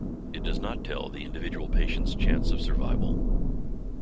It does not tell the individual patient's chance of survival.